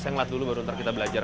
yang lat dulu baru ntar kita belajar